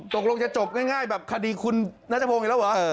ตกลงจะจบง่ายแบบคดีคุณนัชโพงไอ้แล้ว